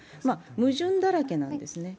矛盾だらけなんですね。